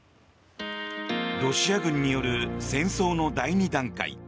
ロシア軍による戦争の第２段階。